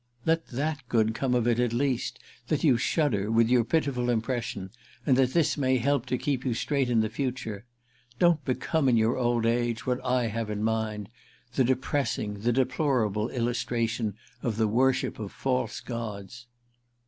Let that good come of it at least that you shudder with your pitiful impression, and that this may help to keep you straight in the future. Don't become in your old age what I have in mine—the depressing, the deplorable illustration of the worship of false gods!"